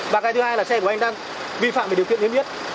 và cái thứ hai là xe của anh đang vi phạm về điều kiện liên viết